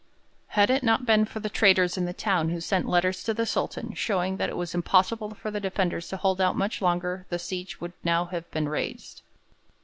]Had it not been for the traitors in the town who sent letters to the Sultan showing that it was impossible for the defenders to hold out much longer the siege would now have been raised.